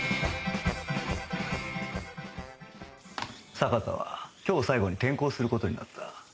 坂田は今日を最後に転校する事になった。